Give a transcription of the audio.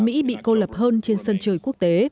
mỹ bị cô lập hơn trên sân trời quốc tế